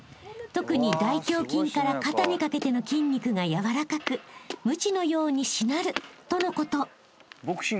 ［「特に大胸筋から肩にかけての筋肉がやわらかくムチのようにしなる」とのこと］